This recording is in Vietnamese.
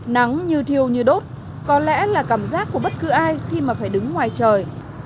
nắng như thiêu như đốt có lẽ là cảm giác của bất cứ ai khi mà phải đứng ngoài trời